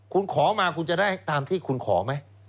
คุณขอมาคุณจะได้ตามที่คุณขอไหม